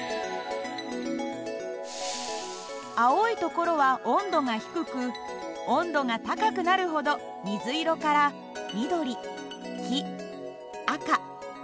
青いところは温度が低く温度が高くなるほど水色から緑黄赤ピンクで表示されます。